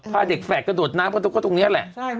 พาเด็กแฝดกระโดดน้ำกระตุ๊กก็ตรงนี้แหละ